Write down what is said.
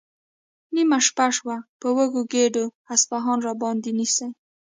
نیمه شپه شوه، په وږو ګېډو اصفهان راباندې نیسي؟